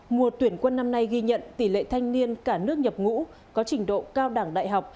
mùa tuyển quân năm nay ghi nhận tỷ lệ thanh niên cả nước nhập ngũ có trình độ cao đẳng đại học